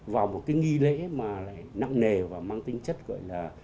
vào một cái nghi lễ mà lại nặng nề và mang tính chất gọi là